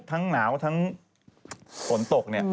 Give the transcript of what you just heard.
ทั้งหนาวทั้งฝนตก